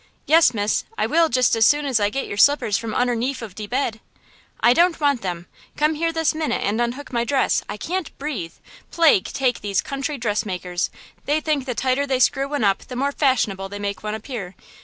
"Yes, miss, I will just as soon as I get your slippers from unnerneaf of de bed!" "I don't want them! Come here this minute and unhook my dress–I can't breathe! Plague take these country dressmakers–they think the tighter they screw one up the more fashionable they make one appear!